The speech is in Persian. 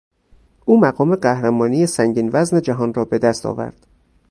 او مقام قهرمانی سنگین وزن جهان را به دست آورد.